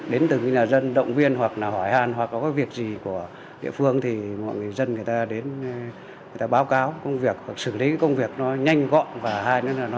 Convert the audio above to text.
đến từ khi là dân động viên hoặc là hỏi hàn hoặc là có việc gì của địa phương thì mọi người dân người ta đến báo cáo công việc hoặc xử lý công việc nó nhanh gọn và hai là nó hợp lý hơn